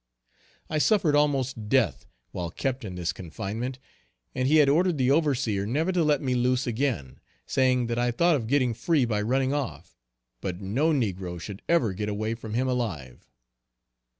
I suffered almost death while kept in this confinement; and he had ordered the overseer never to let me loose again; saying that I thought of getting free by running off, but no negro should ever get away from him alive.